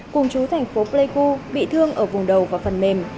cùng chú thành phố pleiku bị thương ở vùng đầu và phần mềm